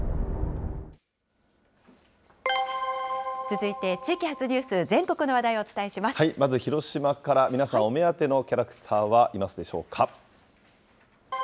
続いて、地域発ニュース、まず広島から、皆さん、お目当てのキャラクターはいますでしょうか。